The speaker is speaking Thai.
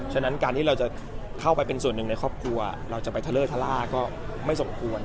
ฉะนั้นการที่เราจะเข้าไปเป็นส่วนหนึ่งในครอบครัวเราจะไปทะเลอร์ทะล่าก็ไม่สมควร